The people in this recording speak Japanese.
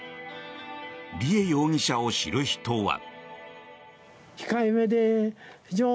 梨恵容疑者を知る人は。